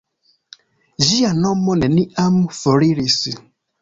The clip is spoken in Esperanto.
Ĝia nomo neniam foriris.